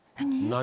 何？